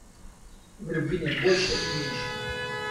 В любви нет больше и меньше.